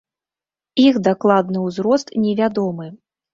Іх дакладны ўзрост невядомы.